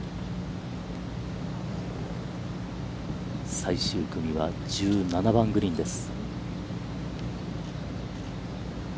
最終組は、１７番グリーンです。